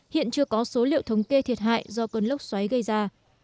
hiện chưa có số liệu thống kê thiệt hại do cơn lốc xoáy gây ra